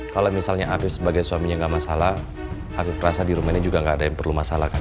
kalau misalnya afif sebagai suaminya gak masalah afif rasa di rumah ini juga gak ada yang perlu masalah kan